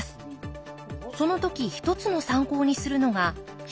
その時一つの参考にするのが視聴率。